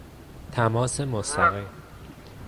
تماس مستقیم